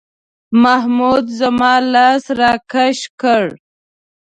محمود زما لاس راکش کړ.